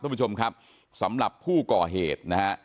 คุณผู้ชมครับสำหรับผู้ก่อเหตุนะฮะ